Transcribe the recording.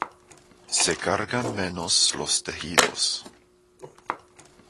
Se cargan menos los tejidos.